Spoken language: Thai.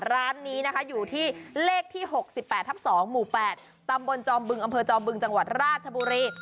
ร้านนี้นะคะอยู่ที่เลขที่๖๘ทับ๒หมู่๘ตำบลจอมบึงอำเภอจอมบึงจังหวัดราชบุรี